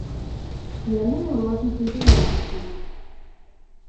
Яны ў розных інтэрнатах жывуць.